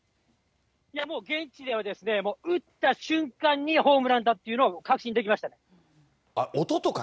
もう、現地では打った瞬間にホームランだというのを確信できました。